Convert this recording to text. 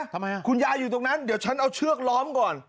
คุณยายอยู่ตรงนั้นเดี๋ยวฉันเอาเชือกล้อมก่อน